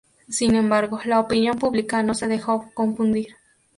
Sin embargo, la opinión pública no se dejó confundir.